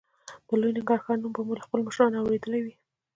د لوی ننګرهار نوم به مو له خپلو مشرانو اورېدلی وي.